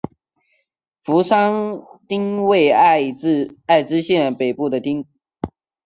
扶桑町为爱知县北部的町。